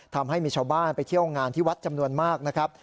ทำให้มีชาวบ้านไปเที่ยวงานที่วัดจำนวนมากนะครับ